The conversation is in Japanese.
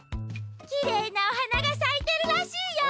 きれいなおはながさいてるらしいよ！